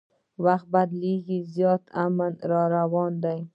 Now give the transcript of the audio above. وخت بدلیږي زیاتي امن را روان دی